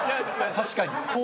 確かに。